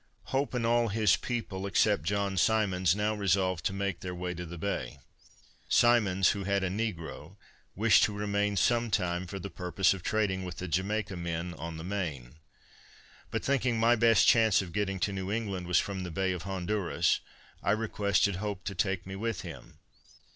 Hope and all his people, except John Symonds, now resolved to make their way to the Bay. Symonds, who had a negro, wished to remain some time for the purpose of trading with the Jamaica men on the main. But thinking my best chance of getting to New England was from the Bay of Honduras, I requested Hope to take me with him.